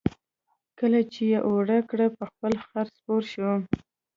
کله چې یې اوړه کړه په خپل خر سپور شو.